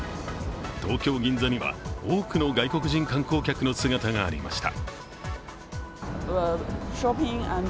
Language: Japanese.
東京・銀座には多くの外国人観光客の姿がありました。